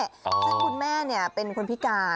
ซึ่งคุณแม่เป็นคนพิการ